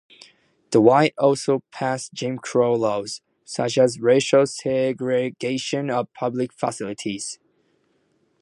The whites also passed Jim Crow laws, such as racial segregation of public facilities.